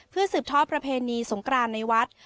เพื่อสืบทอดประเพณีสงครานในวัด